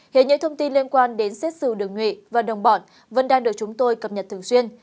hệ những thông tin liên quan đến xét xử đường nhuy và đồng bọn vẫn đang được chúng tôi cập nhật thường xuyên